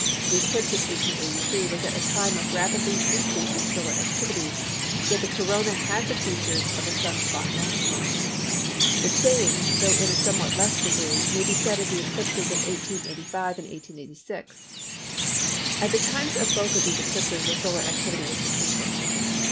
The eclipse of 1883 was at a time of rapidly decreasing solar activity, yet the Corona had the features of a Sun spot maximum. The same, though in a somewhat less degree, may be said of the eclipses of 1885 and 1886. At the times of both of these eclipses the solar activity was decreasing.